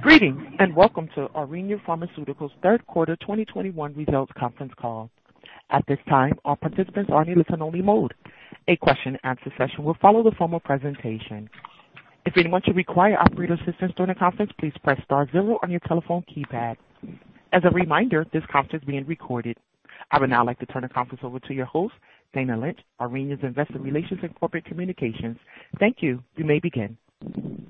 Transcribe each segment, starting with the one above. Greetings, and welcome to Aurinia Pharmaceuticals Q3 2021 results conference call. At this time, all participants are in listen-only mode. A question answer session will follow the formal presentation. If anyone should require operator assistance during the conference, please press star zero on your telephone keypad. As a reminder, this call is being recorded. I would now like to turn the conference over to your host, Dana Lynch, Aurinia's Investor Relations and Corporate Communications. Thank you. You may begin. Thank you,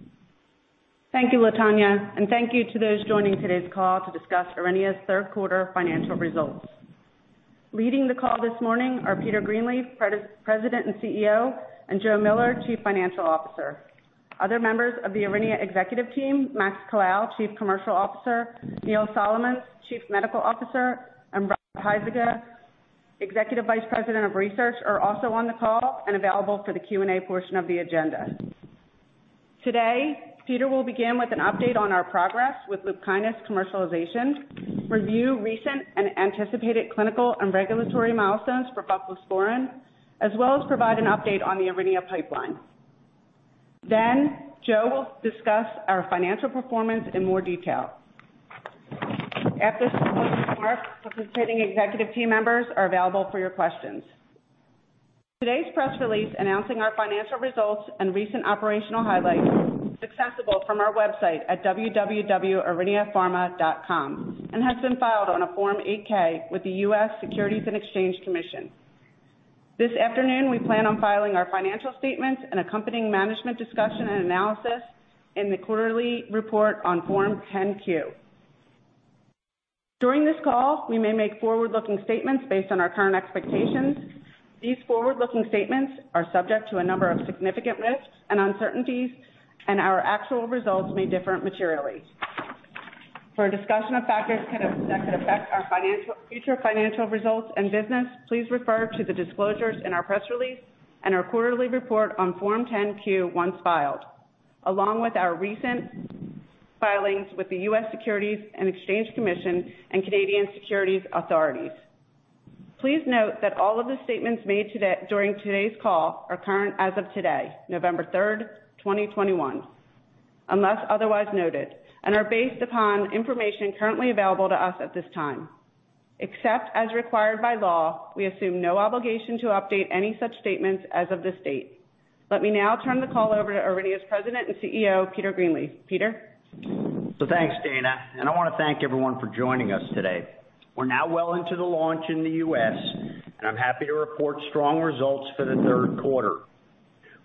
Latonya, and thank you to those joining today's call to discuss Aurinia's Q3 financial results. Leading the call this morning are Peter Greenleaf, President and CEO, and Joe Miller, Chief Financial Officer. Other members of the Aurinia executive team, Max Colao, Chief Commercial Officer, Neil Solomons, Chief Medical Officer, and Robert Huizinga, Executive Vice President of Research, are also on the call and available for the Q&A portion of the agenda. Today, Peter will begin with an update on our progress with LUPKYNIS commercialization, review recent and anticipated clinical and regulatory milestones for voclosporin, as well as provide an update on the Aurinia pipeline. Then Joe will discuss our financial performance in more detail. After some closing remarks, participating executive team members are available for your questions. Today's press release announcing our financial results and recent operational highlights is accessible from our website at www.auriniapharma.com and has been filed on a Form 8-K with the US Securities and Exchange Commission. This afternoon, we plan on filing our financial statements and accompanying management discussion and analysis in the quarterly report on Form 10-Q. During this call, we may make forward-looking statements based on our current expectations. These forward-looking statements are subject to a number of significant risks and uncertainties, and our actual results may differ materially. For a discussion of factors that could affect our future financial results and business, please refer to the disclosures in our press release and our quarterly report on Form 10-Q once filed, along with our recent filings with the US Securities and Exchange Commission and Canadian Securities Administrators. Please note that all of the statements made today, during today's call, are current as of today, November 3rd, 2021, unless otherwise noted, and are based upon information currently available to us at this time. Except as required by law, we assume no obligation to update any such statements as of this date. Let me now turn the call over to Aurinia's President and CEO, Peter Greenleaf. Peter. Thanks, Dana, and I want to thank everyone for joining us today. We're now well into the launch in the U.S., and I'm happy to report strong results for the Q3.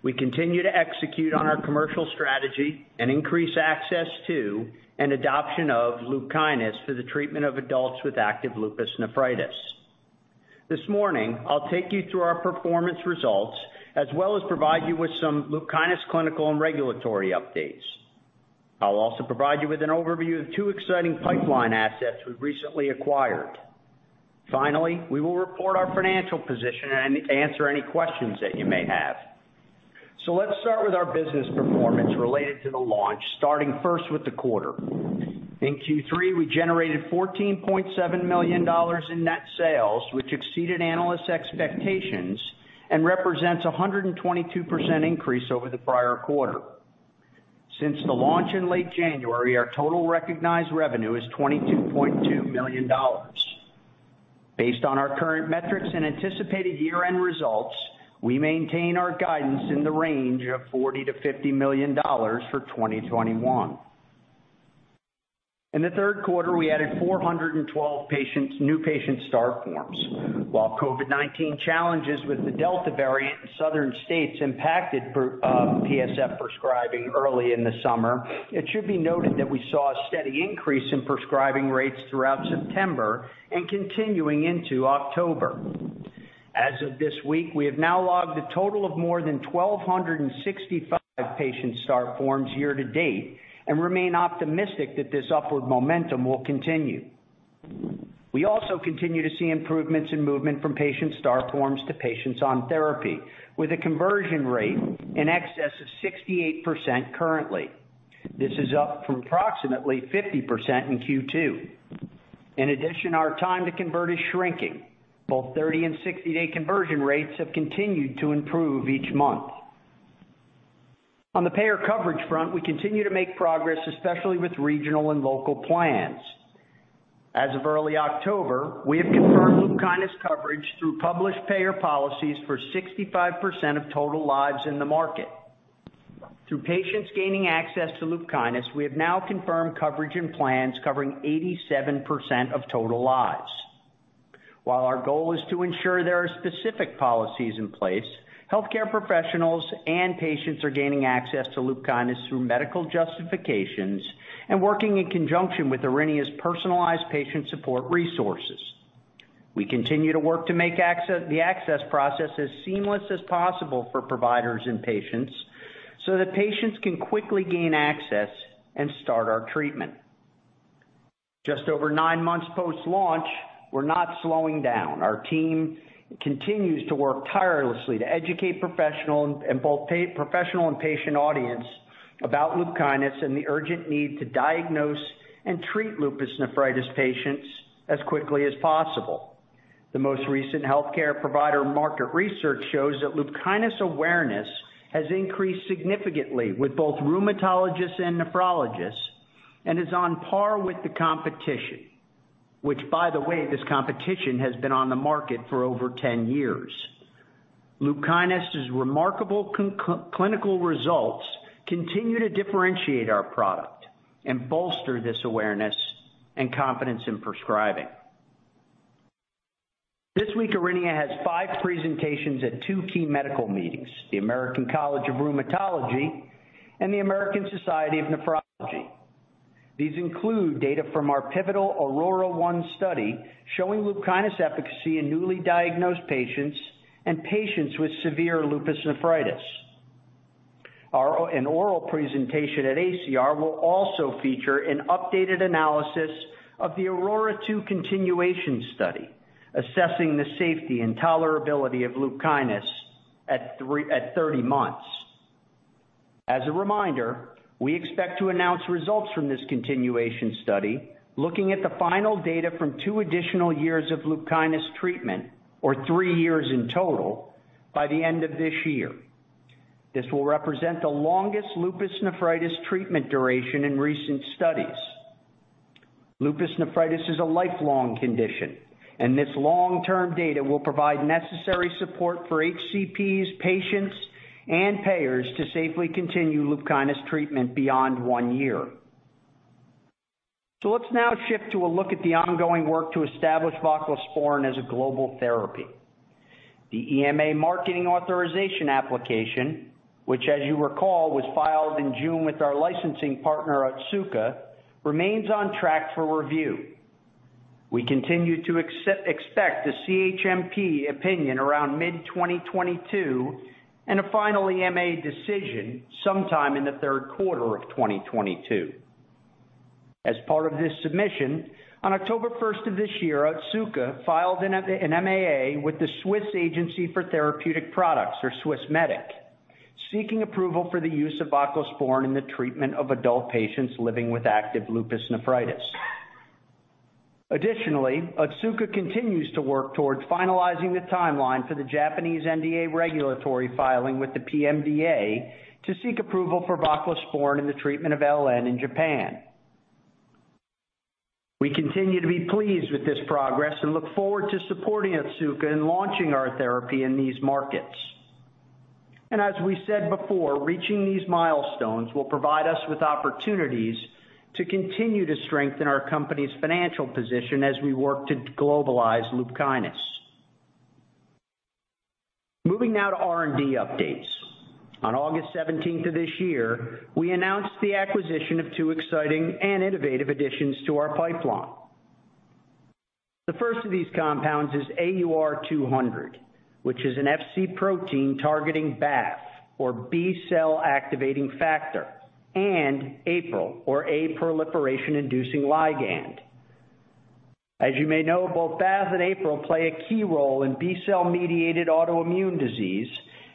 We continue to execute on our commercial strategy and increase access to and adoption of LUPKYNIS for the treatment of adults with active lupus nephritis. This morning, I'll take you through our performance results, as well as provide you with some LUPKYNIS clinical and regulatory updates. I'll also provide you with an overview of two exciting pipeline assets we've recently acquired. Finally, we will report our financial position and answer any questions that you may have. Let's start with our business performance related to the launch, starting first with the quarter. In Q3, we generated $14.7 million in net sales, which exceeded analysts' expectations and represents a 122% increase over the prior quarter. Since the launch in late January, our total recognized revenue is $22.2 million. Based on our current metrics and anticipated year-end results, we maintain our guidance in the range of $40 million-$50 million for 2021. In the Q3, we added 412 new patient start forms. While COVID-19 challenges with the Delta variant in southern states impacted PSF prescribing early in the summer, it should be noted that we saw a steady increase in prescribing rates throughout September and continuing into October. As of this week, we have now logged a total of more than 1,265 patient start forms year to date and remain optimistic that this upward momentum will continue. We also continue to see improvements in movement from patient start forms to patients on therapy with a conversion rate in excess of 68% currently. This is up from approximately 50% in Q2. In addition, our time to convert is shrinking. Both 30 and 60 day conversion rates have continued to improve each month. On the payer coverage front, we continue to make progress, especially with regional and local plans. As of early October, we have confirmed LUPKYNIS coverage through published payer policies for 65% of total lives in the market. Through patients gaining access to LUPKYNIS, we have now confirmed coverage in plans covering 87% of total lives. While our goal is to ensure there are specific policies in place, healthcare professionals and patients are gaining access to LUPKYNIS through medical justifications and working in conjunction with Aurinia's personalized patient support resources. We continue to work to make the access process as seamless as possible for providers and patients so that patients can quickly gain access and start our treatment. Just over nine months post-launch, we're not slowing down. Our team continues to work tirelessly to educate professional and patient audience about LUPKYNIS and the urgent need to diagnose and treat lupus nephritis patients as quickly as possible. The most recent healthcare provider market research shows that LUPKYNIS awareness has increased significantly with both rheumatologists and nephrologists and is on par with the competition, which, by the way, this competition has been on the market for over 10 years. LUPKYNIS's remarkable non-clinical results continue to differentiate our product and bolster this awareness and confidence in prescribing. This week, Aurinia has five presentations at two key medical meetings, the American College of Rheumatology and the American Society of Nephrology. These include data from our pivotal AURORA 1 study showing LUPKYNIS efficacy in newly diagnosed patients and patients with severe lupus nephritis. An oral presentation at ACR will also feature an updated analysis of the AURORA 2 continuation study, assessing the safety and tolerability of LUPKYNIS at thirty months. As a reminder, we expect to announce results from this continuation study looking at the final data from two additional years of LUPKYNIS treatment, or three years in total, by the end of this year. This will represent the longest lupus nephritis treatment duration in recent studies. Lupus nephritis is a lifelong condition, and this long-term data will provide necessary support for HCPs, patients, and payers to safely continue LUPKYNIS treatment beyond one year. Let's now shift to a look at the ongoing work to establish voclosporin as a global therapy. The EMA marketing authorization application, which as you recall, was filed in June with our licensing partner at Otsuka, remains on track for review. We continue to expect the CHMP opinion around mid-2022 and a final EMA decision sometime in the Q3 of 2022. As part of this submission, on October 1st of this year, Otsuka filed an MAA with the Swiss Agency for Therapeutic Products, or Swissmedic, seeking approval for the use of voclosporin in the treatment of adult patients living with active lupus nephritis. Additionally, Otsuka continues to work towards finalizing the timeline for the Japanese NDA regulatory filing with the PMDA to seek approval for voclosporin in the treatment of LN in Japan. We continue to be pleased with this progress and look forward to supporting Otsuka in launching our therapy in these markets. Reaching these milestones will provide us with opportunities to continue to strengthen our company's financial position as we work to globalize LUPKYNIS. Moving now to R&D updates. On August seventeenth of this year, we announced the acquisition of two exciting and innovative additions to our pipeline. The first of these compounds is AUR 200, which is an Fc protein targeting BAFF, or B-cell activating factor, and APRIL, or a proliferation-inducing ligand. As you may know, both BAFF and APRIL play a key role in B-cell mediated autoimmune disease.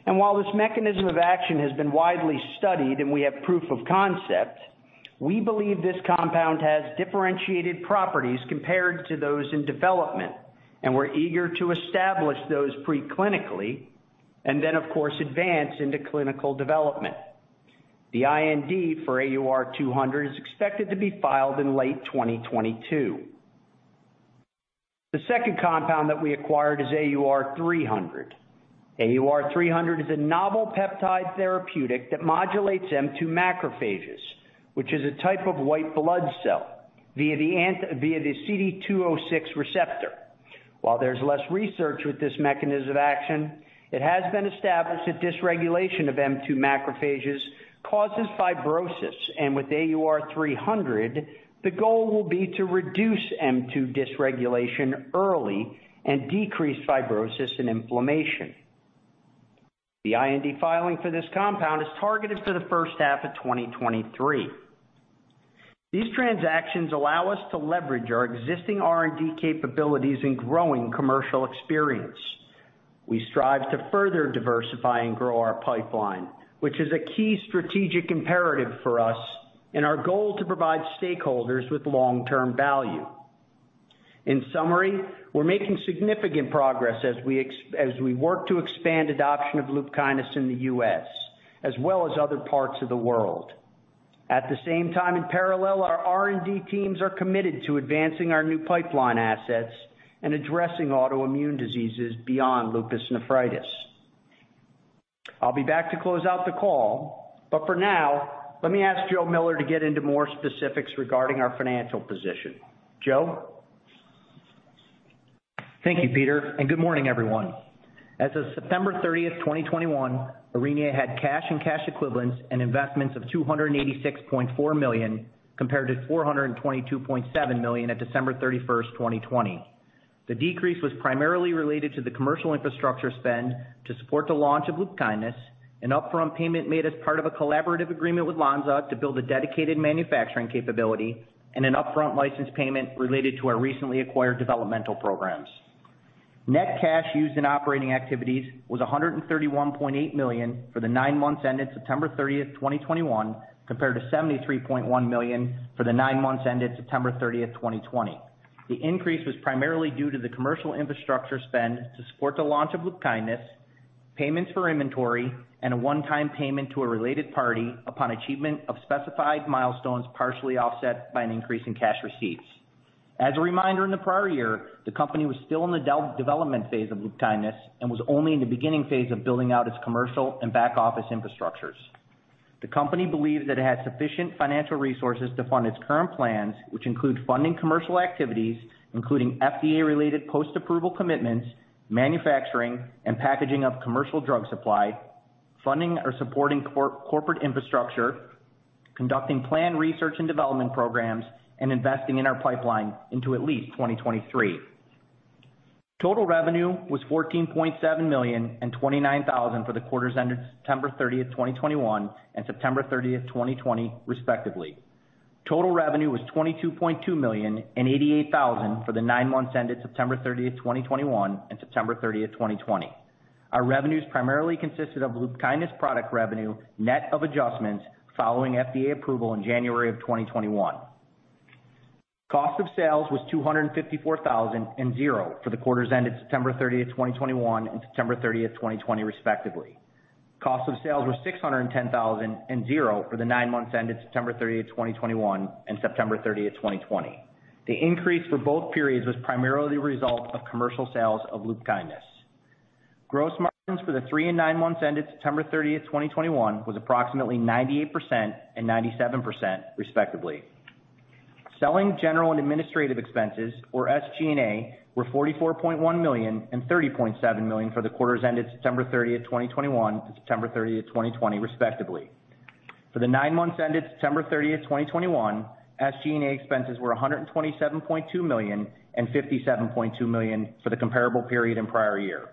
While this mechanism of action has been widely studied and we have proof of concept, we believe this compound has differentiated properties compared to those in development, and we're eager to establish those pre-clinically and then, of course, advance into clinical development. The IND for AUR200 is expected to be filed in late 2022. The second compound that we acquired is AUR300. AUR300 is a novel peptide therapeutic that modulates M2 macrophages, which is a type of white blood cell via the CD206 receptor. While there's less research with this mechanism of action, it has been established that dysregulation of M2 macrophages causes fibrosis. With AUR300, the goal will be to reduce M2 dysregulation early and decrease fibrosis and inflammation. The IND filing for this compound is targeted for the first half of 2023. These transactions allow us to leverage our existing R&D capabilities and growing commercial experience. We strive to further diversify and grow our pipeline, which is a key strategic imperative for us and our goal to provide stakeholders with long-term value. In summary, we're making significant progress as we work to expand adoption of LUPKYNIS in the U.S., as well as other parts of the world. At the same time, in parallel, our R&D teams are committed to advancing our new pipeline assets and addressing autoimmune diseases beyond lupus nephritis. I'll be back to close out the call, but for now, let me ask Joe Miller to get into more specifics regarding our financial position. Joe? Thank you, Peter, and good morning, everyone. As of September 30th, 2021, Aurinia had cash and cash equivalents and investments of $286.4 million, compared to $422.7 million at December 31st, 2020. The decrease was primarily related to the commercial infrastructure spend to support the launch of LUPKYNIS, an upfront payment made as part of a collaborative agreement with Lonza to build a dedicated manufacturing capability and an upfront license payment related to our recently acquired developmental programs. Net cash used in operating activities was $131.8 million for the nine months ended September 30th, 2021, compared to $73.1 million for the nine months ended September 30th, 2020. The increase was primarily due to the commercial infrastructure spend to support the launch of LUPKYNIS. Payments for inventory, and a one-time payment to a related party upon achievement of specified milestones, partially offset by an increase in cash receipts. As a reminder, in the prior year, the company was still in the pre-development phase of LUPKYNIS and was only in the beginning phase of building out its commercial and back-office infrastructures. The company believes that it has sufficient financial resources to fund its current plans, which include funding commercial activities, including FDA-related post-approval commitments, manufacturing and packaging of commercial drug supply, funding or supporting corporate infrastructure, conducting planned research and development programs, and investing in our pipeline into at least 2023. Total revenue was $14.7 million and $29,000 for the quarters ended September 30th, 2021 and September 30, 2020, respectively. Total revenue was $22.288 million for the nine months ended September 30th, 2021 and September 30th, 2020. Our revenues primarily consisted of LUPKYNIS product revenue, net of adjustments following FDA approval in January of 2021. Cost of sales was $254,000 and $0 for the quarters ended September 30, 2021 and September 30th, 2020, respectively. Cost of sales was $610,000 and $0 for the nine months ended September 30, 2021 and September 30th, 2020. The increase for both periods was primarily the result of commercial sales of LUPKYNIS. Gross margins for the three and nine months ended September 30th, 2021 was approximately 98% and 97%, respectively. Selling, general, and administrative expenses, or SG&A, were $44.1 million and $30.7 million for the quarters ended September 30th, 2021 and September 30, 2020, respectively. For the nine months ended September 30th, 2021, SG&A expenses were $127.2 million and $57.2 million for the comparable period in prior year.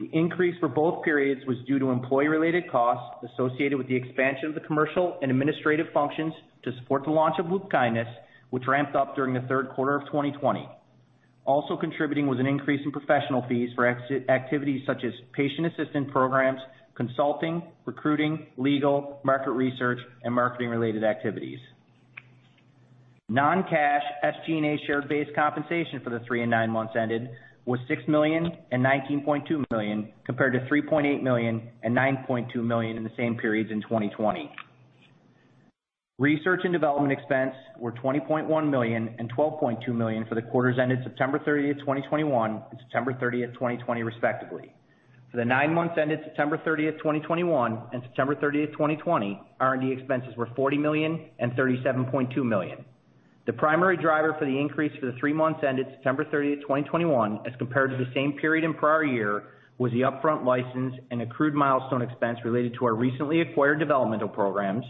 The increase for both periods was due to employee-related costs associated with the expansion of the commercial and administrative functions to support the launch of LUPKYNIS, which ramped up during the Q3 of 2020. Also contributing was an increase in professional fees for various activities such as patient assistance programs, consulting, recruiting, legal, market research, and marketing-related activities. Non-cash SG&A share-based compensation for the three and nine months ended was $6 million and $19.2 million, compared to $3.8 million and $9.2 million in the same periods in 2020. Research and development expense were $20.1 million and $12.2 million for the quarters ended September 30th, 2021 and September 30th, 2020, respectively. For the nine months ended September 30th, 2021 and September 30th, 2020, R&D expenses were $40 million and $37.2 million. The primary driver for the increase for the three months ended September 30th, 2021, as compared to the same period in prior year, was the upfront license and accrued milestone expense related to our recently acquired developmental programs.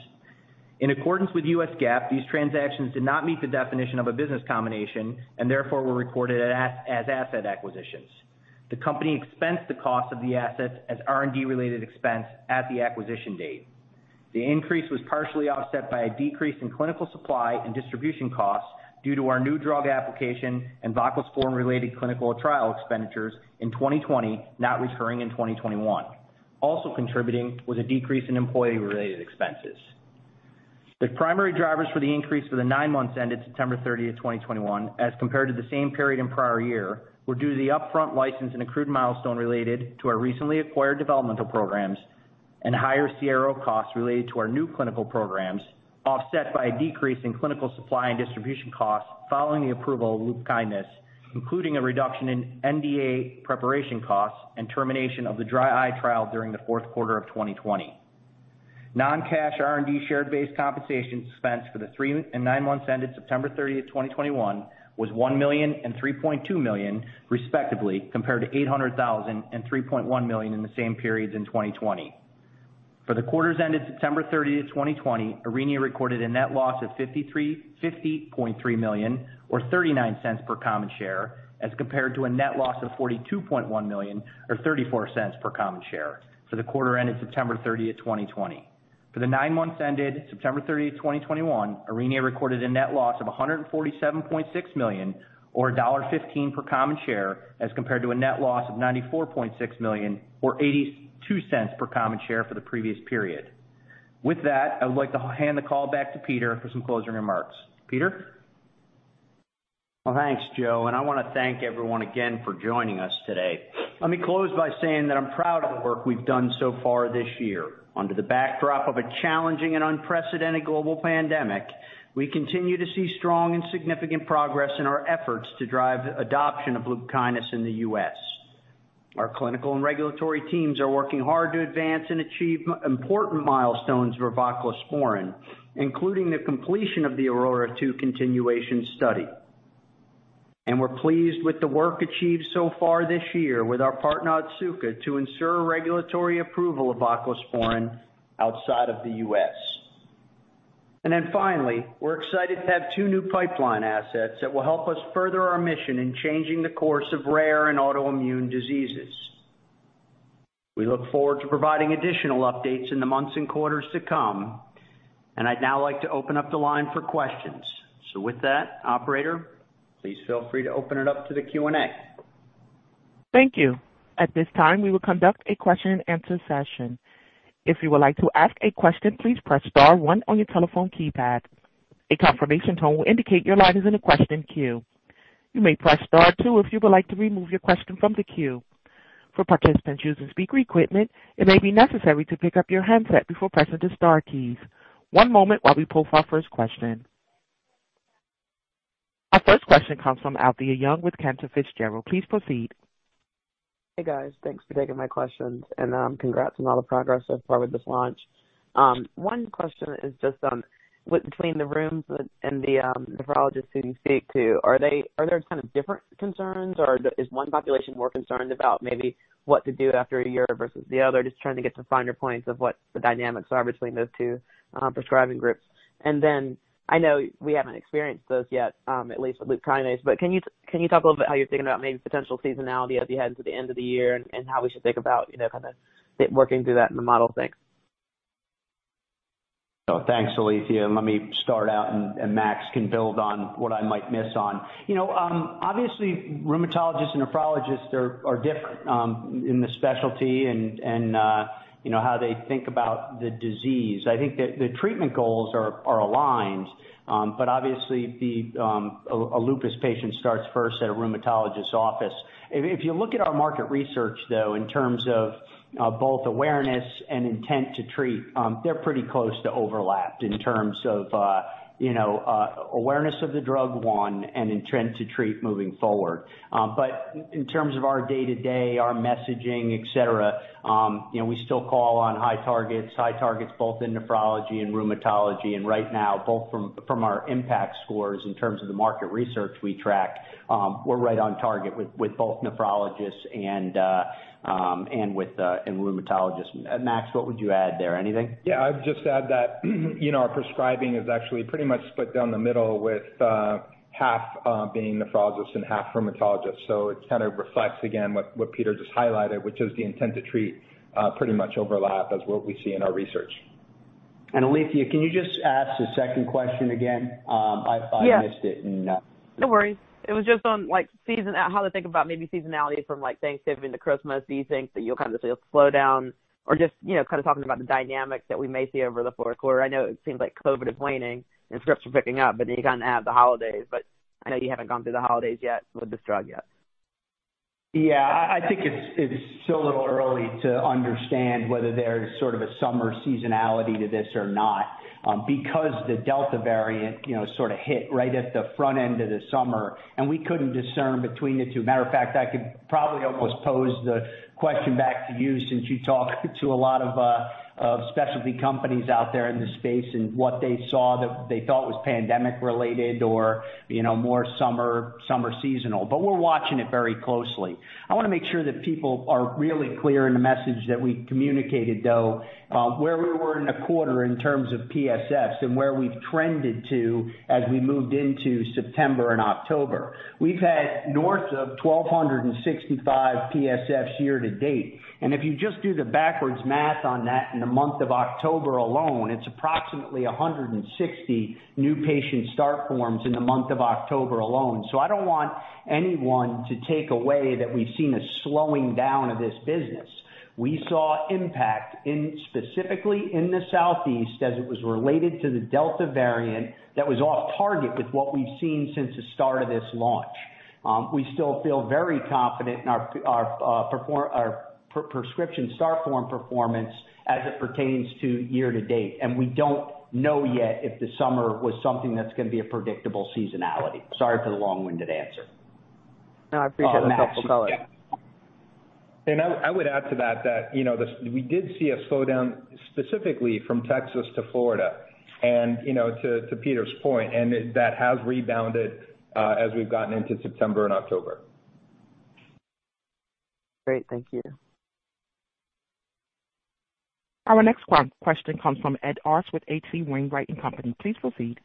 In accordance with U.S. GAAP, these transactions did not meet the definition of a business combination and therefore were recorded as asset acquisitions. The company expensed the cost of the assets as R&D-related expense at the acquisition date. The increase was partially offset by a decrease in clinical supply and distribution costs due to our new drug application and voclosporin-related clinical trial expenditures in 2020, not recurring in 2021. Also contributing was a decrease in employee-related expenses. The primary drivers for the increase for the nine months ended September 30th, 2021, as compared to the same period in prior year, were due to the upfront license and accrued milestone related to our recently acquired developmental programs and higher CRO costs related to our new clinical programs, offset by a decrease in clinical supply and distribution costs following the approval of LUPKYNIS, including a reduction in NDA preparation costs and termination of the dry eye trial during the fourth quarter of 2020. Non-cash R&D share-based compensation expense for the three and nine months ended September 30th, 2021 was $1 million and $3.2 million, respectively, compared to $800,000 and $3.1 million in the same periods in 2020. For the quarters ended September 30th, 2020, Aurinia recorded a net loss of $50.3 million or $0.39 per common share, as compared to a net loss of $42.1 million or $0.34 per common share for the quarter ended September 30th, 2020. For the nine months ended September 30th, 2021, Aurinia recorded a net loss of $147.6 million or $1.15 per common share, as compared to a net loss of $94.6 million or $0.82 per common share for the previous period. With that, I would like to hand the call back to Peter for some closing remarks. Peter? Well, thanks, Joe, and I want to thank everyone again for joining us today. Let me close by saying that I'm proud of the work we've done so far this year. Under the backdrop of a challenging and unprecedented global pandemic, we continue to see strong and significant progress in our efforts to drive adoption of LUPKYNIS in the U.S. Our clinical and regulatory teams are working hard to advance and achieve important milestones for voclosporin, including the completion of the AURORA 2 continuation study. We're pleased with the work achieved so far this year with our partner, Otsuka, to ensure regulatory approval of voclosporin outside of the U.S. Finally, we're excited to have two new pipeline assets that will help us further our mission in changing the course of rare and autoimmune diseases. We look forward to providing additional updates in the months and quarters to come, and I'd now like to open up the line for questions. With that, operator, please feel free to open it up to the Q&A. Thank you. At this time, we will conduct a question and answer session. If you would like to ask a question, please press star one on your telephone keypad. A confirmation tone will indicate your line is in the question queue. You may press star two if you would like to remove your question from the queue. For participants using speaker equipment, it may be necessary to pick up your handset before pressing the star keys. One moment while we pull for our first question. Our first question comes from Alethia Young with Cantor Fitzgerald. Please proceed. Hey, guys. Thanks for taking my questions. Congrats on all the progress so far with this launch. One question is just on what between the rheumatologists and the nephrologists who you speak to, are there kind of different concerns or is one population more concerned about maybe what to do after a year versus the other? Just trying to get some finer points of what the dynamics are between those two prescribing groups. Then I know we haven't experienced this yet, at least with LUPKYNIS, but can you talk a little bit how you're thinking about maybe potential seasonality as you head into the end of the year and how we should think about, you know, kind of working through that in the model? Thanks. Thanks, Alethia. Let me start out, and Max can build on what I might miss on. You know, obviously rheumatologists and nephrologists are different in the specialty and how they think about the disease. I think that the treatment goals are aligned, but obviously a lupus patient starts first at a rheumatologist's office. If you look at our market research, though, in terms of both awareness and intent to treat, they're pretty close to overlapping in terms of you know, awareness of the drug one and intent to treat moving forward. But in terms of our day-to-day, our messaging, et cetera, you know, we still call on high targets both in nephrology and rheumatology. Right now, both from our impact scores in terms of the market research we track, we're right on target with both nephrologists and rheumatologists. Max, what would you add there? Anything? Yeah, I'd just add that, you know, our prescribing is actually pretty much split down the middle with half being nephrologists and half rheumatologists. So it kind of reflects again what Peter just highlighted, which is the intent to treat pretty much overlap as what we see in our research. Alethea, can you just ask the second question again? Yes. I missed it and. No worries. It was just on, like, seasonality, how to think about maybe seasonality from like Thanksgiving to Christmas. Do you think that you'll kind of see a slowdown or just, you know, kind of talking about the dynamics that we may see over the fourth quarter? I know it seems like COVID is waning and scripts are picking up, but then you kind of have the holidays. I know you haven't gone through the holidays yet with this drug yet. Yeah, I think it's still a little early to understand whether there's sort of a summer seasonality to this or not, because the Delta variant, you know, sort of hit right at the front end of the summer, and we couldn't discern between the two. Matter of fact, I could probably almost pose the question back to you since you talk to a lot of specialty companies out there in the space and what they saw that they thought was pandemic related or, you know, more summer seasonal. But we're watching it very closely. I want to make sure that people are really clear in the message that we communicated, though, where we were in the quarter in terms of PSFs and where we've trended to as we moved into September and October. We've had north of 1,265 PSFs year to date. If you just do the backwards math on that in the month of October alone, it's approximately 160 new patient start forms in the month of October alone. I don't want anyone to take away that we've seen a slowing down of this business. We saw impact specifically in the Southeast as it was related to the Delta variant that was off target with what we've seen since the start of this launch. We still feel very confident in our prescription start form performance as it pertains to year to date. We don't know yet if the summer was something that's going to be a predictable seasonality. Sorry for the long-winded answer. No, I appreciate the helpful color. Max. I would add to that, we did see a slowdown specifically from Texas to Florida, to Peter's point. That has rebounded as we've gotten into September and October. Great. Thank you. Our next question comes from Ed Arce with HC Wainwright & Co, please proceed.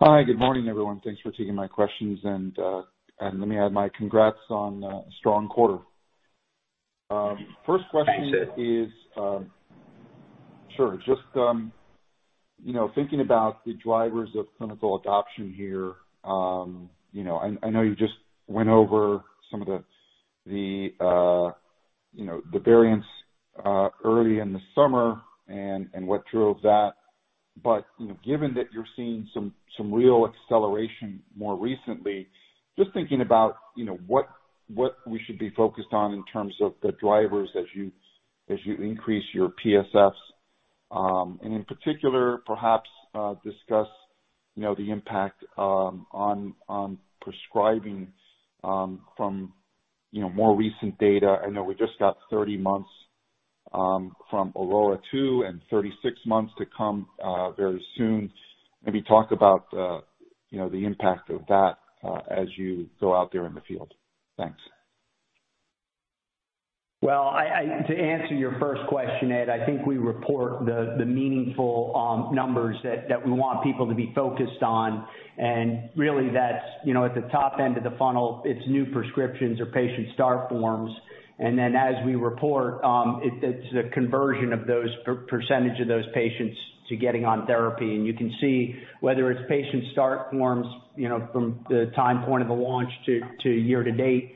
Hi. Good morning, everyone. Thanks for taking my questions. Let me add my congrats on a strong quarter. First question. Thanks, Ed. Sure. Just you know thinking about the drivers of clinical adoption here you know I know you just went over some of the you know the variants early in the summer and what drove that. You know given that you're seeing some real acceleration more recently just thinking about you know what we should be focused on in terms of the drivers as you increase your PSFs and in particular perhaps discuss you know the impact on prescribing from you know more recent data. I know we just got 30 months from AURORA 2 and 36 months to come very soon. Maybe talk about you know the impact of that as you go out there in the field. Thanks. Well, to answer your first question, Ed, I think we report the meaningful numbers that we want people to be focused on. Really that's, you know, at the top end of the funnel, it's new prescriptions or Patient Start Forms. Then as we report, it's the conversion of those percentage of those patients to getting on therapy. You can see whether it's Patient Start Forms, you know, from the time point of the launch to year to date,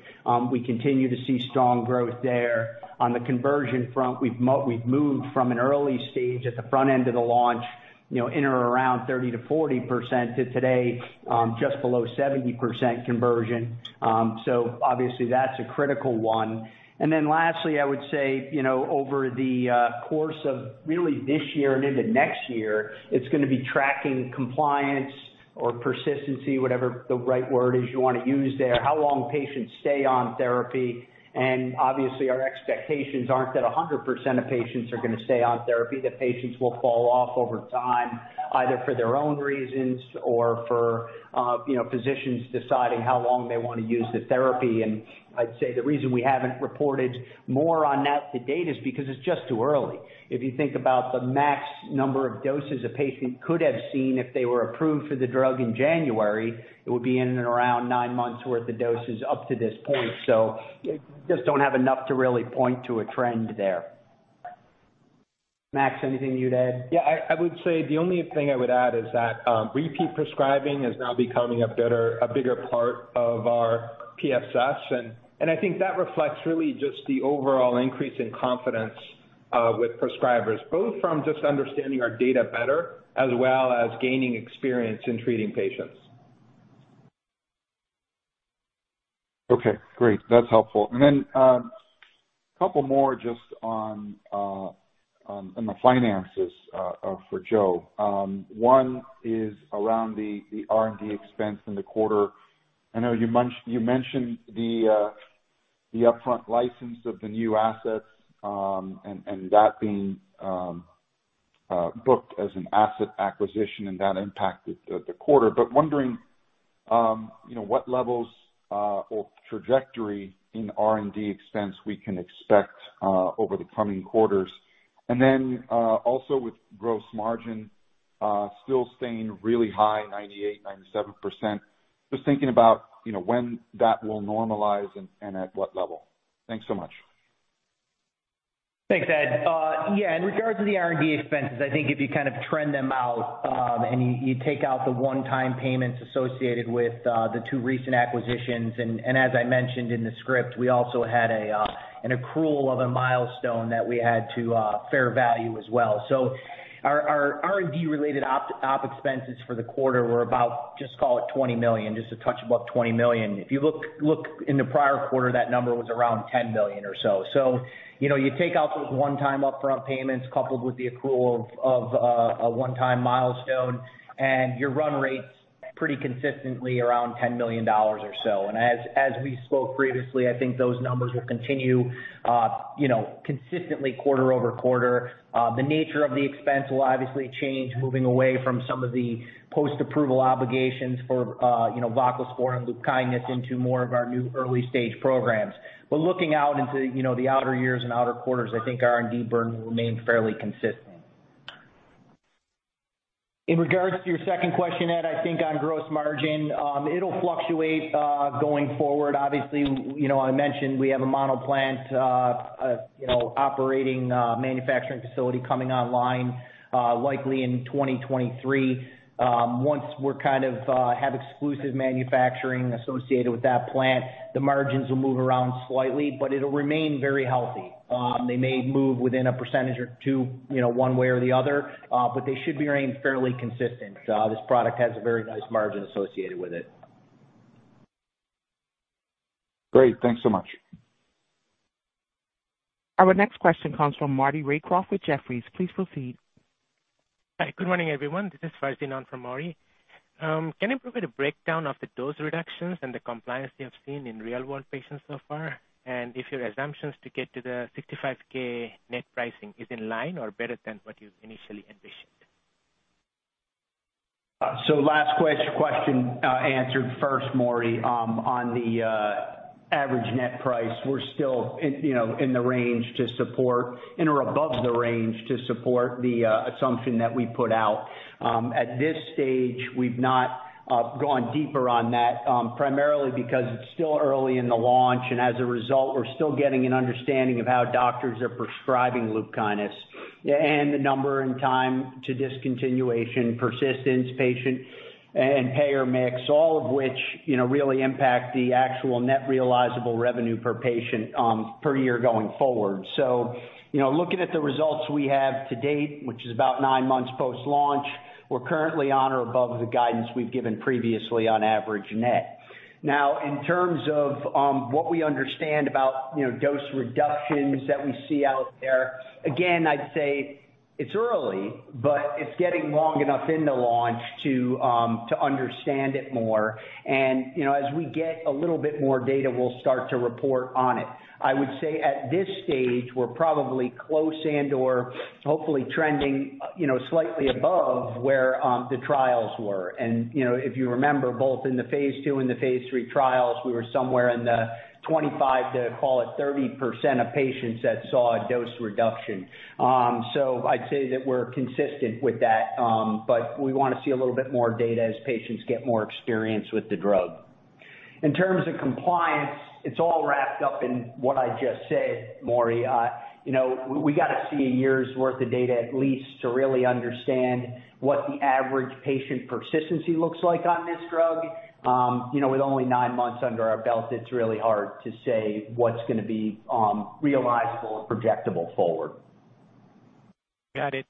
we continue to see strong growth there. On the conversion front, we've moved from an early stage at the front end of the launch. You know, in or around 30%-40% to today, just below 70% conversion. Obviously that's a critical one. Then lastly, I would say, you know, over the course of really this year and into next year, it's going to be tracking compliance or persistency, whatever the right word is you want to use there, how long patients stay on therapy. Obviously, our expectations aren't that 100% of patients are going to stay on therapy. The patients will fall off over time, either for their own reasons or for, you know, physicians deciding how long they want to use the therapy. I'd say the reason we haven't reported more on that to date is because it's just too early. If you think about the max number of doses a patient could have seen if they were approved for the drug in January, it would be in and around nine months worth of doses up to this point. Just don't have enough to really point to a trend there. Max, anything you'd add? Yeah, I would say the only thing I would add is that repeat prescribing is now becoming a bigger part of our PSFs. I think that reflects really just the overall increase in confidence with prescribers, both from just understanding our data better as well as gaining experience in treating patients. Okay, great. That's helpful. Couple more just on the finances for Joe. One is around the R&D expense in the quarter. I know you mentioned the upfront license of the new assets, and that being booked as an asset acquisition and that impacted the quarter. Wondering, you know, what levels or trajectory in R&D expense we can expect over the coming quarters. Also with gross margin still staying really high, 98%-97%. Just thinking about, you know, when that will normalize and at what level. Thanks so much. Thanks, Ed. Yeah, in regards to the R&D expenses, I think if you kind of trend them out, and you take out the one-time payments associated with the two recent acquisitions. As I mentioned in the script, we also had an accrual of a milestone that we had to fair value as well. Our R&D related OpEx expenses for the quarter were about, just call it $20 million, just a touch above $20 million. If you look in the prior quarter, that number was around $10 million or so. You know, you take out those one-time upfront payments coupled with the accrual of a one-time milestone and your run rate pretty consistently around $10 million or so. As we spoke previously, I think those numbers will continue, you know, consistently quarter-over-quarter. The nature of the expense will obviously change, moving away from some of the post-approval obligations for, you know, voclosporin, LUPKYNIS into more of our new early stage programs. Looking out into, you know, the outer years and outer quarters, I think R&D burn will remain fairly consistent. In regards to your second question, Ed, I think on gross margin, it'll fluctuate, going forward. Obviously, you know, I mentioned we have a mono plant, you know, operating manufacturing facility coming online, likely in 2023. Once we have exclusive manufacturing associated with that plant, the margins will move around slightly, but it'll remain very healthy. They may move within 1% or 2%, you know, one way or the other, but they should remain fairly consistent. This product has a very nice margin associated with it. Great. Thanks so much. Our next question comes from Maury Raycroft with Jefferies. Please proceed. Hi, good morning, everyone. This is Farzin on for Maury Raycroft. Can you provide a breakdown of the dose reductions and the compliance you have seen in real-world patients so far? If your assumptions to get to the $65K net pricing is in line or better than what you initially envisioned? Last question answered first, Maury. On the average net price, we're still in the range to support or above the range to support the assumption that we put out. At this stage, we've not gone deeper on that, primarily because it's still early in the launch, and as a result, we're still getting an understanding of how doctors are prescribing LUPKYNIS and the number and time to discontinuation, persistence, patient and payer mix, all of which, you know, really impact the actual net realizable revenue per patient per year going forward. You know, looking at the results we have to date, which is about nine months post-launch, we're currently on or above the guidance we've given previously on average net. Now, in terms of what we understand about, you know, dose reductions that we see out there, again, I'd say it's early, but it's getting long enough in the launch to understand it more. You know, as we get a little bit more data, we'll start to report on it. I would say at this stage, we're probably close and/or hopefully trending, you know, slightly above where the trials were. If you remember, both in the phase II and the phase III trials, we were somewhere in the 25%-30% of patients that saw a dose reduction. I'd say that we're consistent with that, but we want to see a little bit more data as patients get more experience with the drug. In terms of compliance, it's all wrapped up in what I just said, Maury. You know, we got to see a year's worth of data at least to really understand what the average patient persistency looks like on this drug. You know, with only nine months under our belt, it's really hard to say what's going to be realizable and projectable forward. Got it.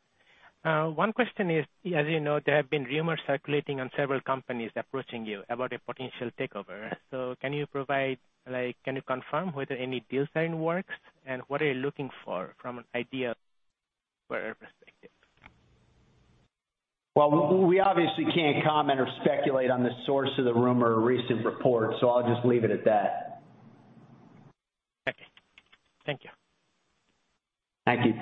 One question is, as you know, there have been rumors circulating on several companies approaching you about a potential takeover. Can you provide, like, can you confirm whether any deal is in the works and what are you looking for from an M&A perspective? Well, we obviously can't comment or speculate on the source of the rumor or recent report, so I'll just leave it at that. Okay. Thank you. Thank you.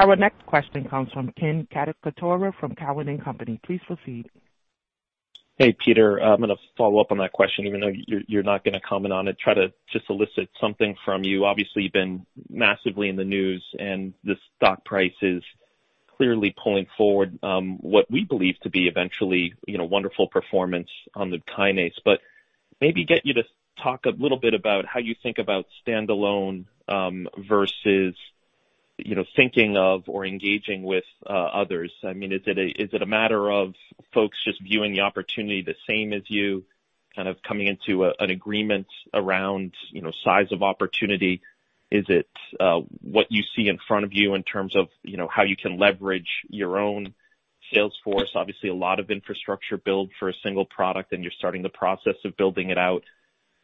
Our next question comes from Ken Cacciatore from Cowen and Company. Please proceed. Hey, Peter, I'm going to follow up on that question even though you're not going to comment on it, try to just elicit something from you. Obviously, you've been massively in the news and the stock price is clearly pulling forward what we believe to be eventually, you know, wonderful performance on the LUPKYNIS. Maybe get you to talk a little bit about how you think about standalone versus, you know, thinking of or engaging with others. I mean, is it a matter of folks just viewing the opportunity the same as you kind of coming into an agreement around, you know, size of opportunity? Is it what you see in front of you in terms of, you know, how you can leverage your own sales force? Obviously a lot of infrastructure build for a single product and you're starting the process of building it out.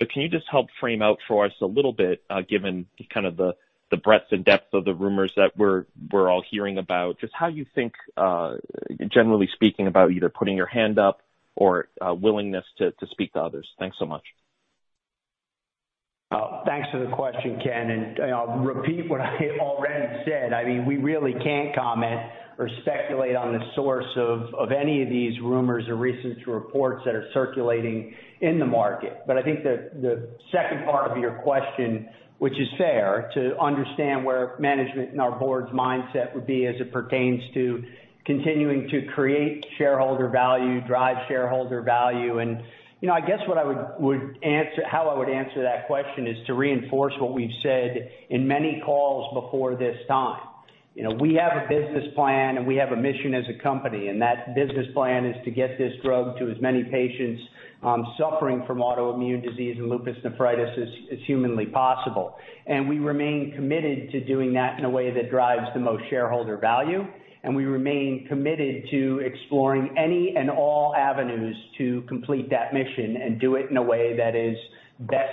Can you just help frame out for us a little bit, given kind of the breadth and depth of the rumors that we're all hearing about, just how you think, generally speaking about either putting your hand up or willingness to speak to others? Thanks so much. Thanks for the question, Ken, and I'll repeat what I already said. I mean, we really can't comment or speculate on the source of any of these rumors or recent reports that are circulating in the market. I think the second part of your question, which is fair to understand where management and our board's mindset would be as it pertains to continuing to create shareholder value, drive shareholder value. You know, I guess what I would answer, how I would answer that question is to reinforce what we've said in many calls before this time. You know, we have a business plan and we have a mission as a company, and that business plan is to get this drug to as many patients suffering from autoimmune disease and lupus nephritis as humanly possible. We remain committed to doing that in a way that drives the most shareholder value. We remain committed to exploring any and all avenues to complete that mission and do it in a way that is best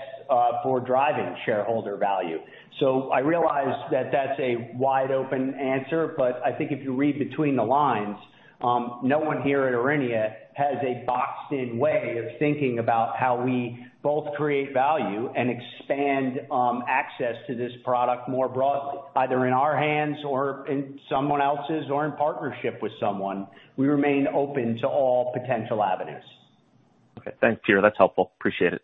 for driving shareholder value. I realize that that's a wide open answer, but I think if you read between the lines, no one here at Aurinia has a boxed in way of thinking about how we both create value and expand access to this product more broadly, either in our hands or in someone else's or in partnership with someone. We remain open to all potential avenues. Okay, thanks, Peter. That's helpful. Appreciate it.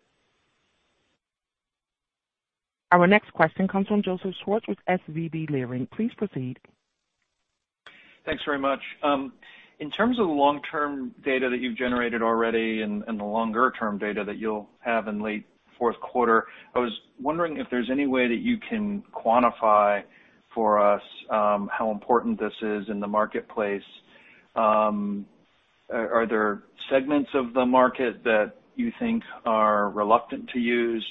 Our next question comes from Joseph Schwartz with SVB Leerink. Please proceed. Thanks very much. In terms of the long-term data that you've generated already and the longer-term data that you'll have in late fourth quarter, I was wondering if there's any way that you can quantify for us how important this is in the marketplace. Are there segments of the market that you think are reluctant to use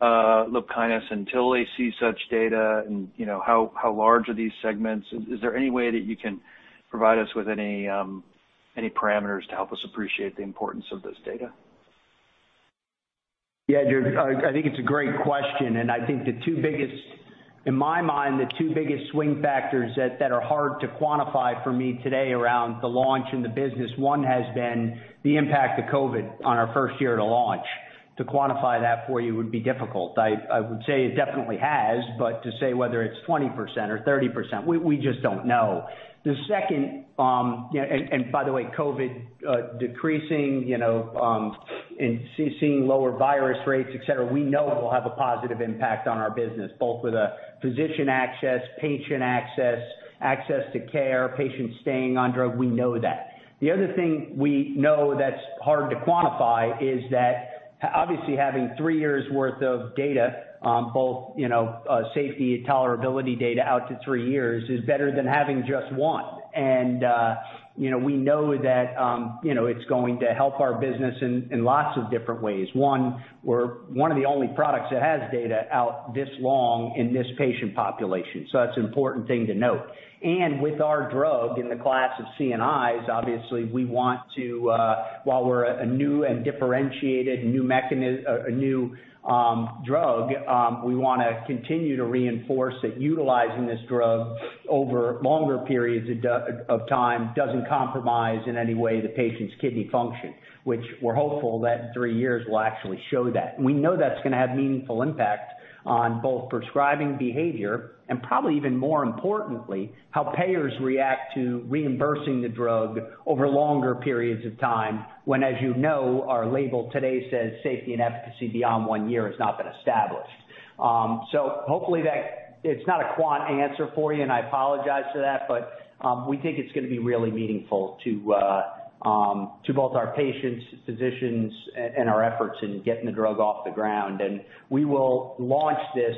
LUPKYNIS until they see such data? You know, how large are these segments? Is there any way that you can provide us with any parameters to help us appreciate the importance of this data? Yeah, Joe, I think it's a great question, and I think the two biggest, in my mind, the two biggest swing factors that are hard to quantify for me today around the launch and the business, one has been the impact of COVID on our first year to launch. To quantify that for you would be difficult. I would say it definitely has, but to say whether it's 20% or 30%, we just don't know. The second, and by the way, COVID decreasing and seeing lower virus rates, et cetera, we know will have a positive impact on our business, both with a physician access, patient access to care, patients staying on drug. We know that. The other thing we know that's hard to quantify is that obviously having three years' worth of data, both safety and tolerability data out to three years is better than having just one. We know that it's going to help our business in lots of different ways. One, we're one of the only products that has data out this long in this patient population, so that's an important thing to note. With our drug in the class of CNIs, obviously we want to, while we're a new and differentiated drug, we want to continue to reinforce that utilizing this drug over longer periods of time doesn't compromise in any way the patient's kidney function, which we're hopeful that in three years will actually show that. We know that's going to have meaningful impact on both prescribing behavior and probably even more importantly, how payers react to reimbursing the drug over longer periods of time when, as you know, our label today says safety and efficacy beyond one year has not been established. Hopefully that it's not a quant answer for you, and I apologize for that, but we think it's going to be really meaningful to both our patients, physicians and our efforts in getting the drug off the ground. We will launch this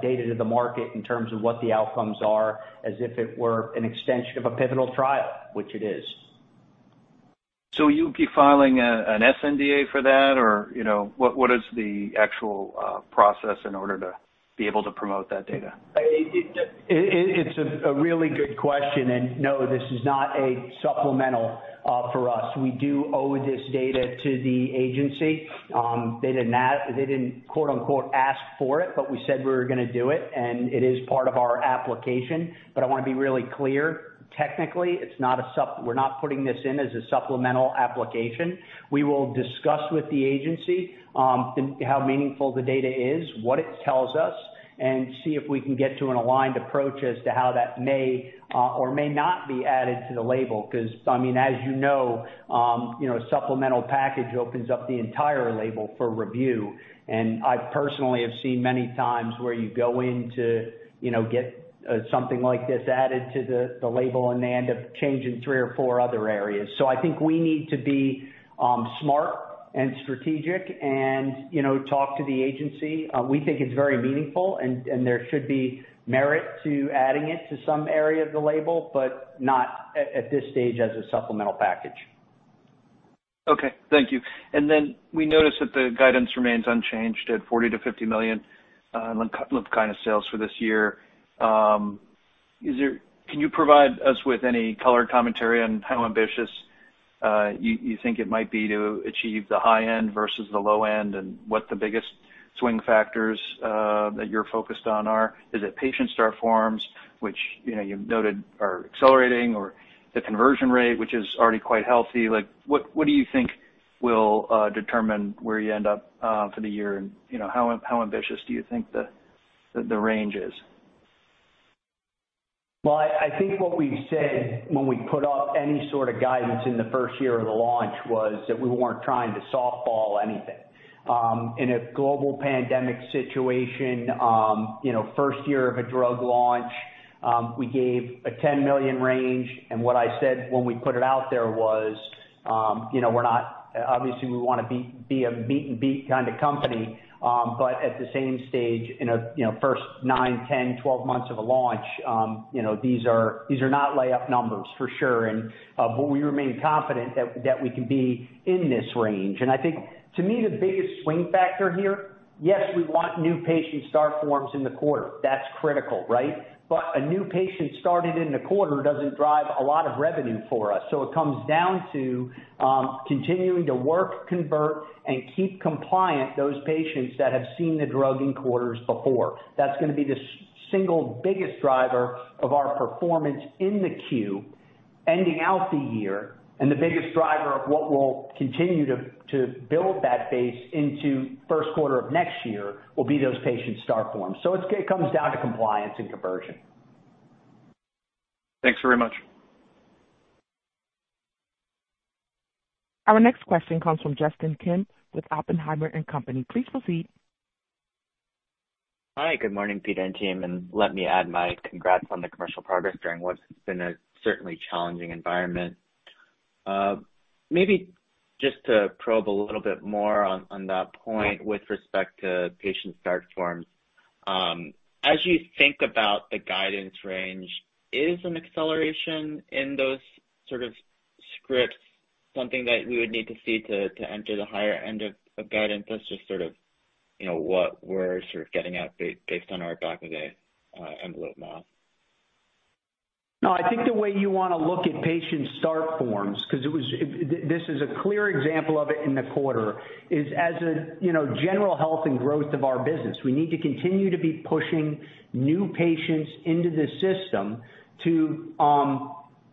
data to the market in terms of what the outcomes are, as if it were an extension of a pivotal trial, which it is. You'll be filing an SNDA for that or, you know, what is the actual process in order to be able to promote that data? It's a really good question. No, this is not a supplemental for us. We do owe this data to the agency. They didn't, "ask for it," but we said we were going to do it, and it is part of our application. I want to be really clear, technically, it's not a sup. We're not putting this in as a supplemental application. We will discuss with the agency how meaningful the data is, what it tells us, and see if we can get to an aligned approach as to how that may or may not be added to the label. 'Cause, I mean, as you know, you know, a supplemental package opens up the entire label for review. I personally have seen many times where you go in to get something like this added to the label, and they end up changing three or four other areas. I think we need to be smart and strategic and talk to the agency. We think it's very meaningful and there should be merit to adding it to some area of the label, but not at this stage as a supplemental package. Okay. Thank you. We noticed that the guidance remains unchanged at $40-$50 million LUPKYNIS sales for this year. Can you provide us with any color commentary on how ambitious you think it might be to achieve the high end versus the low end? What are the biggest swing factors that you are focused on? Is it patient start forms, which, you know, you have noted are accelerating or the conversion rate, which is already quite healthy? Like, what do you think will determine where you end up for the year? You know, how ambitious do you think the range is? Well, I think what we said when we put up any sort of guidance in the first year of the launch was that we weren't trying to softball anything. In a global pandemic situation, you know, first year of a drug launch, we gave a $10 million range. What I said when we put it out there was, you know, obviously we want to be a meet and beat kind of company. But at the same stage in a, you know, first nine, 10, 12 months of a launch, you know, these are not layup numbers for sure. We remain confident that we can be in this range. I think to me, the biggest swing factor here, yes, we want new Patient Start Forms in the quarter. That's critical, right? A new patient started in the quarter doesn't drive a lot of revenue for us. It comes down to continuing to work, convert, and keep compliant those patients that have seen the drug in quarters before. That's going to be the single biggest driver of our performance in the Q ending out the year, and the biggest driver of what will continue to build that base into first quarter of next year will be those patient start forms. It comes down to compliance and conversion. Thanks very much. Our next question comes from Justin Kim with Oppenheimer & Co. Please proceed. Hi, good morning, Peter and team. Let me add my congrats on the commercial progress during what's been a certainly challenging environment. Maybe just to probe a little bit more on that point with respect to Patient Start Forms. As you think about the guidance range, is an acceleration in those sort of scripts something that we would need to see to enter the higher end of guidance? That's just sort of, you know, what we're sort of getting at based on our back of the envelope model. No, I think the way you want to look at patient start forms, because this is a clear example of it in the quarter, is as a, you know, general health and growth of our business. We need to continue to be pushing new patients into the system to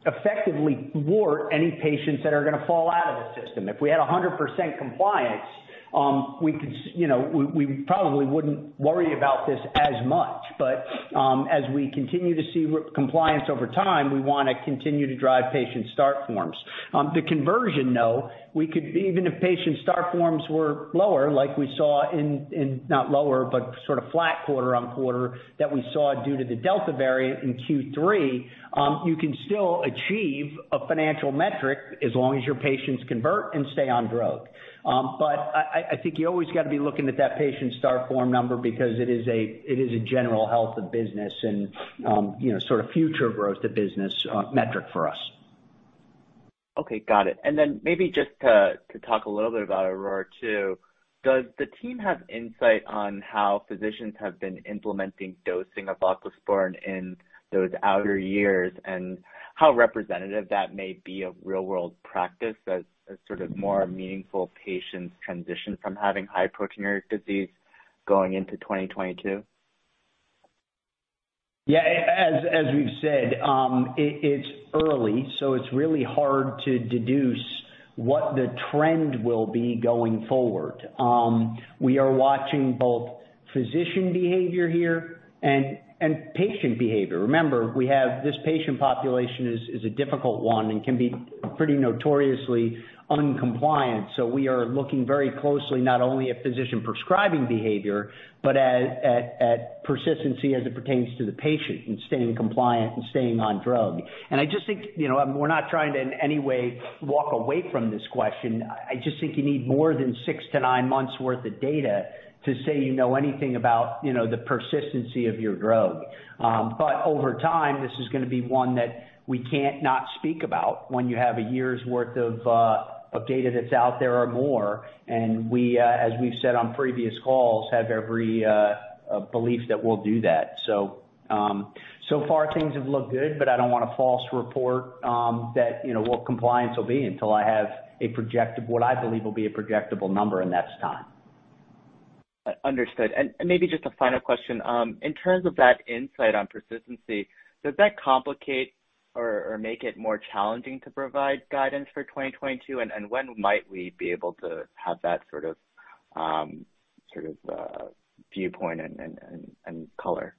effectively ward any patients that are going to fall out of the system. If we had 100% compliance, we could, you know, we probably wouldn't worry about this as much. But as we continue to see compliance over time, we want to continue to drive patient start forms. The conversion, though, even if patient start forms were lower, like we saw not lower, but sort of flat quarter-over-quarter, that we saw due to the Delta variant in Q3, you can still achieve a financial metric as long as your patients convert and stay on drug. I think you always got to be looking at that patient start form number because it is a general health of business and, you know, sort of future growth of business metric for us. Okay, got it. Maybe just to talk a little bit about Aurora 2. Does the team have insight on how physicians have been implementing dosing of voclosporin in those outer years, and how representative that may be of real world practice as sort of more meaningful patients transition from having lupus nephritis going into 2022? Yeah. As we've said, it's early, so it's really hard to deduce what the trend will be going forward. We are watching both physician behavior here and patient behavior. Remember, this patient population is a difficult one and can be pretty notoriously noncompliant. We are looking very closely, not only at physician prescribing behavior but at persistence as it pertains to the patient in staying compliant and staying on drug. I just think, you know, we're not trying to, in any way, walk away from this question. I just think you need more than six to nine months worth of data to say you know anything about, you know, the persistence of your drug. Over time, this is going to be one that we can't not speak about when you have a year's worth of data that's out there or more. We, as we've said on previous calls, have every belief that we'll do that. So far things have looked good, but I don't want to falsely report, you know, what compliance will be until I have what I believe will be a projectable number, and that's time. Understood. Maybe just a final question. In terms of that insight on persistency, does that complicate or make it more challenging to provide guidance for 2022? When might we be able to have that sort of viewpoint and color?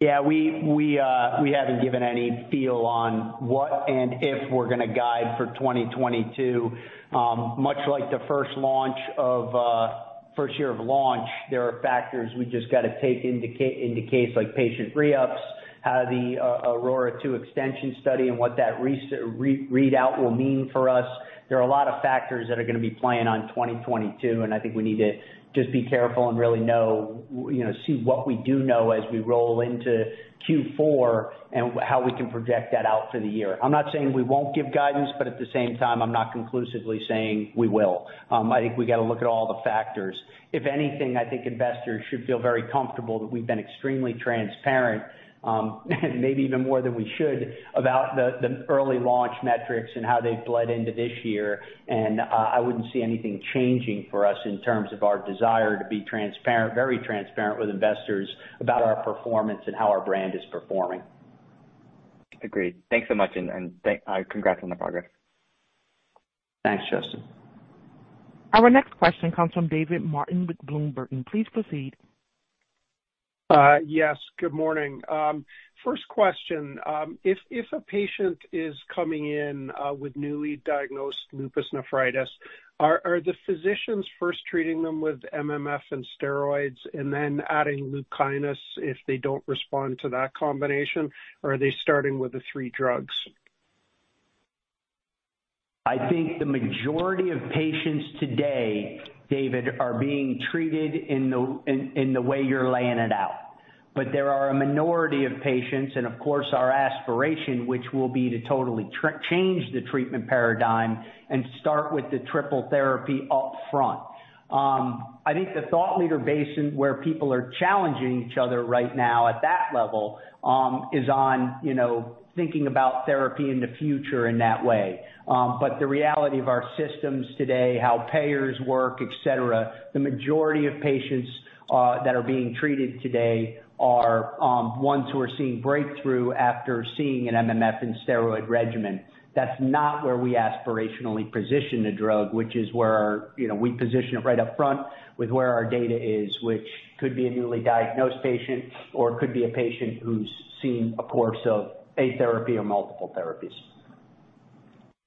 Yeah. We haven't given any feel on what and if we're going to guide for 2022. Much like the first launch of first year of launch, there are factors we just got to take into account, like patient re-ups, how the AURORA 2 extension study and what that readout will mean for us. There are a lot of factors that are going to be playing on 2022, and I think we need to just be careful and really know, you know, see what we do know as we roll into Q4 and how we can project that out for the year. I'm not saying we won't give guidance, but at the same time, I'm not conclusively saying we will. I think we got to look at all the factors. If anything, I think investors should feel very comfortable that we've been extremely transparent, maybe even more than we should, about the early launch metrics and how they've bled into this year. I wouldn't see anything changing for us in terms of our desire to be transparent, very transparent with investors about our performance and how our brand is performing. Agreed. Thanks so much, and congrats on the progress. Thanks, Justin. Our next question comes from David Martin with Bloom Burton & Co. Please proceed. Yes, good morning. First question. If a patient is coming in with newly diagnosed lupus nephritis, are the physicians first treating them with MMF and steroids and then adding LUPKYNIS if they don't respond to that combination? Or are they starting with the three drugs? I think the majority of patients today, David, are being treated in the way you're laying it out. There are a minority of patients, and of course, our aspiration, which will be to totally change the treatment paradigm and start with the triple therapy up front. I think the thought leader basis where people are challenging each other right now at that level is on, you know, thinking about therapy in the future in that way. The reality of our systems today, how payers work, et cetera, the majority of patients that are being treated today are ones who are seeing breakthrough after seeing an MMF and steroid regimen. That's not where we aspirationally position the drug, which is where, you know, we position it right up front with where our data is, which could be a newly diagnosed patient or could be a patient who's seen a course of a therapy or multiple therapies.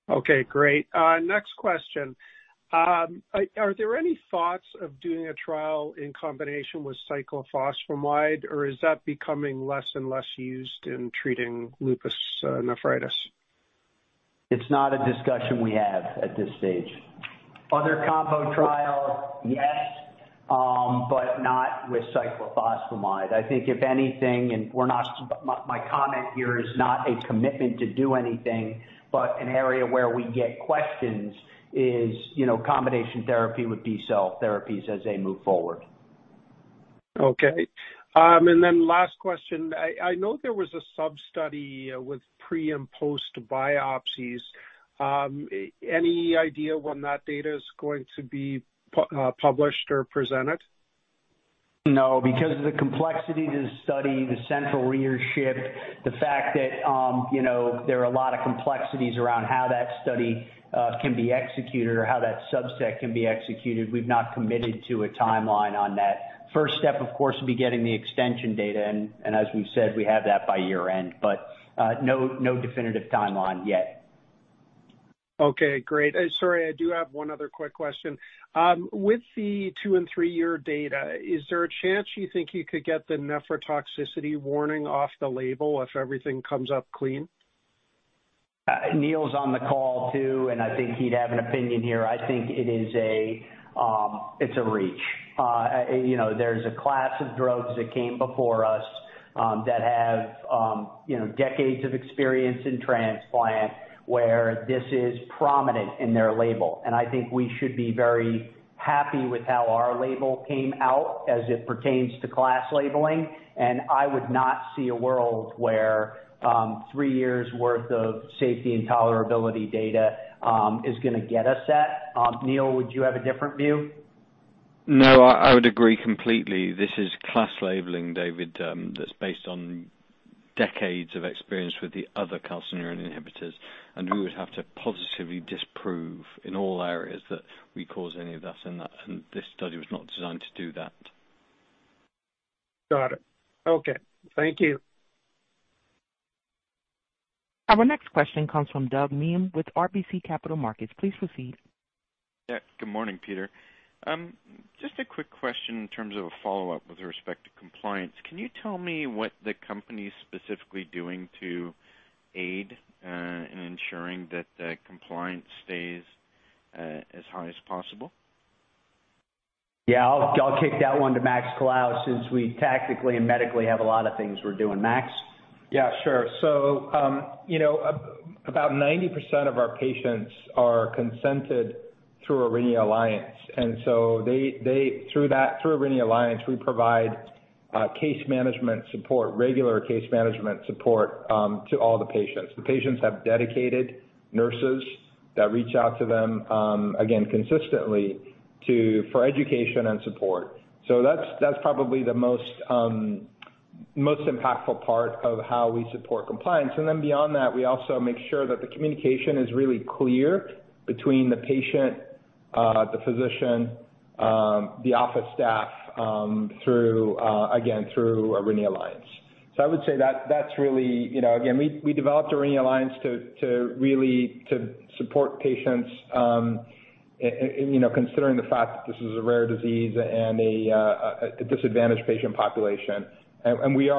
Okay, great. Next question. Are there any thoughts of doing a trial in combination with cyclophosphamide, or is that becoming less and less used in treating lupus nephritis? It's not a discussion we have at this stage. Other combo trials, yes, but not with cyclophosphamide. I think if anything, my comment here is not a commitment to do anything, but an area where we get questions is, you know, combination therapy with B-cell therapies as they move forward. Okay. Last question. I know there was a sub-study with pre and post biopsies. Any idea when that data is going to be published or presented? No, because of the complexity to study the central reading, the fact that, you know, there are a lot of complexities around how that study can be executed or how that subset can be executed. We've not committed to a timeline on that. First step, of course, will be getting the extension data, and as we've said, we have that by year-end, but no definitive timeline yet. Okay, great. Sorry, I do have one other quick question. With the two and three year data, is there a chance you think you could get the nephrotoxicity warning off the label if everything comes up clean? Neil's on the call too, and I think he'd have an opinion here. I think it's a reach. You know, there's a class of drugs that came before us, that have, you know, decades of experience in transplant where this is prominent in their label. I think we should be very happy with how our label came out as it pertains to class labeling. I would not see a world where three years worth of safety and tolerability data is going to get us that. Neil, would you have a different view? No, I would agree completely. This is class labeling, David, that's based on decades of experience with the other calcineurin inhibitors, and we would have to positively disprove in all areas that we cause any of that and that, and this study was not designed to do that. Got it. Okay. Thank you. Our next question comes from Douglas Miehm with RBC Capital Markets. Please proceed. Yeah. Good morning, Peter. Just a quick question in terms of a follow-up with respect to compliance. Can you tell me what the company is specifically doing to aid in ensuring that the compliance stays as high as possible? Yeah, I'll kick that one to Max Colao since we tactically and medically have a lot of things we're doing. Max. Yeah, sure. About 90% of our patients are consented through the Aurinia Alliance. Through that, through the Aurinia Alliance, we provide case management support, regular case management support to all the patients. The patients have dedicated nurses that reach out to them again consistently for education and support. That's probably the most impactful part of how we support compliance. Beyond that, we also make sure that the communication is really clear between the patient, the physician, the office staff through the Aurinia Alliance. I would say that that's really. Again, we developed a Aurinia Alliance to really support patients, and, you know, considering the fact that this is a rare disease and a disadvantaged patient population. We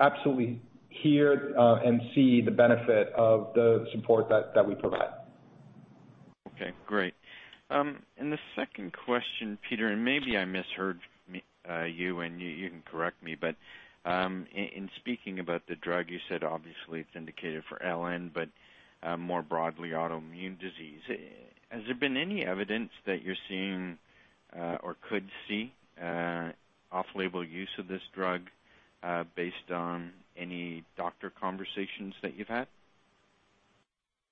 absolutely hear and see the benefit of the support that we provide. Okay, great. And the second question, Peter, and maybe I misheard you, and you can correct me, but in speaking about the drug, you said obviously it's indicated for LN, but more broadly, autoimmune disease. Has there been any evidence that you're seeing, or could see, off-label use of this drug, based on any doctor conversations that you've had?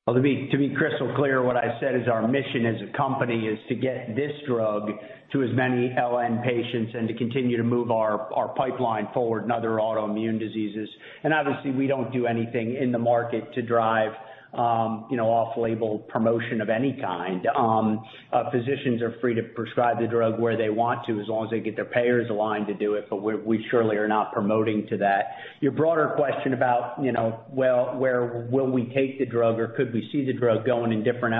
Well, to be crystal clear, what I said is our mission as a company is to get this drug to as many LN patients and to continue to move our pipeline forward in other autoimmune diseases. Obviously, we don't do anything in the market to drive, you know, off-label promotion of any kind. Physicians are free to prescribe the drug where they want to as long as they get their payers aligned to do it, but we surely are not promoting to that. Your broader question about, you know, well, where will we take the drug or could we see the drug going in different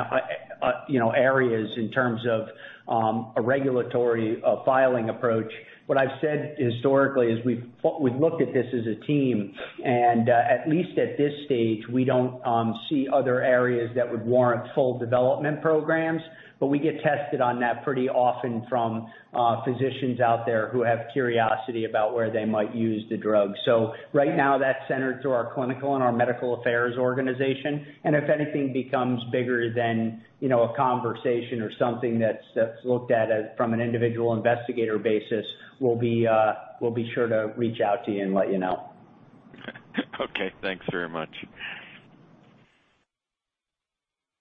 areas in terms of a regulatory filing approach, what I've said historically is what we've looked at this as a team, and at least at this stage, we don't see other areas that would warrant full development programs. We get tested on that pretty often from physicians out there who have curiosity about where they might use the drug. Right now, that's centered to our clinical and our medical affairs organization. If anything becomes bigger than, you know, a conversation or something that's looked at as from an individual investigator basis, we'll be sure to reach out to you and let you know. Okay. Thanks very much.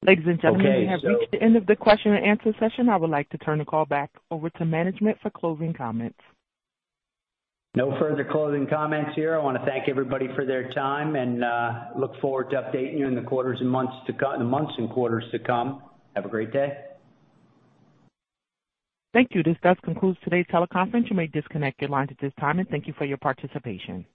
Ladies and gentlemen. Okay, so. We have reached the end of the question and answer session. I would like to turn the call back over to management for closing comments. No further closing comments here. I want to thank everybody for their time and look forward to updating you in the months and quarters to come. Have a great day. Thank you. This does conclude today's teleconference. You may disconnect your lines at this time, and thank you for your participation.